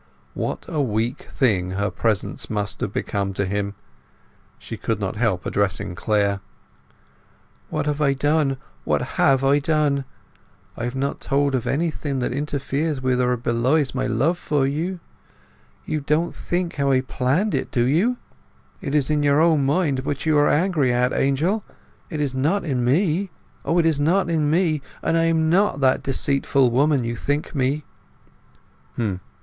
What a weak thing her presence must have become to him! She could not help addressing Clare. "What have I done—what have I done! I have not told of anything that interferes with or belies my love for you. You don't think I planned it, do you? It is in your own mind what you are angry at, Angel; it is not in me. O, it is not in me, and I am not that deceitful woman you think me!"